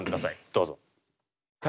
どうぞ。